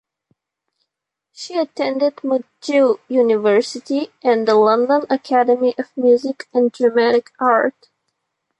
She attended McGill University and the London Academy of Music and Dramatic Art.